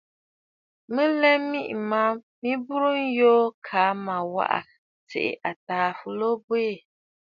Mə̀ lɛ miʼì ma mɨ burə̀ yoo kaa mə waʼà tsiʼì àtàà fɨlo bwiî.